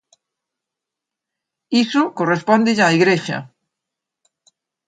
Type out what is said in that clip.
Iso correspóndelle á igrexa.